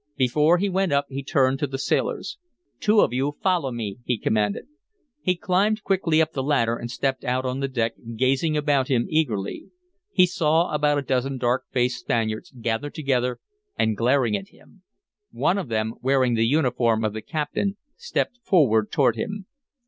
Before he went up he turned to the sailors. "Two of you follow me," he commanded. He climbed quickly up the ladder and stepped out on the deck, gazing about him eagerly. He saw about a dozen dark faced Spaniards gathered together and glaring at him; one of them, wearing the uniform of the captain, stepped forward toward him.